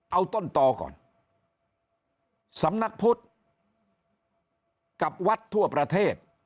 เอาต้นต่อก่อนสำนักพุทธกับวัดทั่วประเทศ